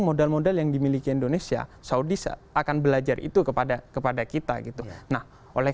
modal modal yang dimiliki indonesia saudi akan belajar itu kepada kepada kita gitu nah oleh